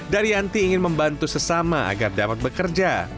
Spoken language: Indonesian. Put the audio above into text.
daryanti ingin membantu sesama agar dapat bekerja